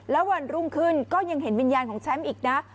แล้ววันรุ่งขึ้นก็ยังเห็นวิญญาณของแชมป์อีกนะ